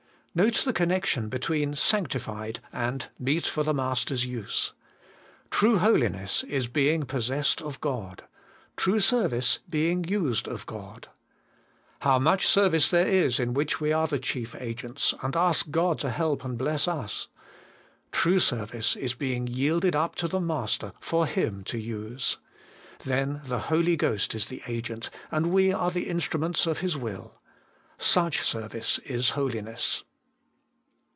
4. Note the connection between 'sanctified' and 'meet for the Master's use.' True holiness is being possessed of God ; true service being used of God. How much service there is in which we are the chief agents, and ash God to help and to bless us. True service is being yielded up to the Master for Him to use. Then the Holy Ghost is the Agent, and we are the instruments of His will. Such service is Holiness.